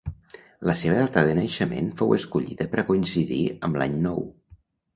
La seva data de naixement fou escollida per a coincidir amb l'any nou.